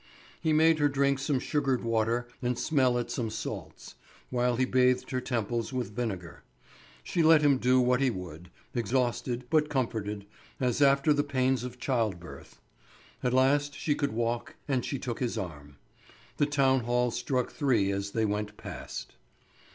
He made her drink some sugared water and smell at some salts, while he bathed her temples with vinegar. She let him do what he would, exhausted, but comforted, as after the pains of child birth. At last she could walk and she took his arm. The town hall struck three as they went past.